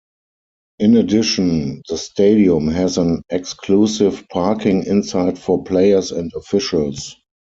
In addition, the stadium has an exclusive parking inside for players and officials.